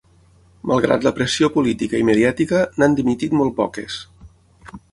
Malgrat la pressió política i mediàtica, n’han dimitit molt poques.